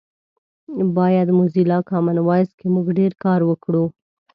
باید په موزیلا کامن وایس کې مونږ ډېر کار وکړو